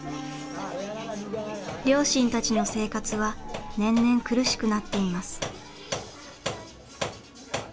両親たちの生活は年々苦しくなっています。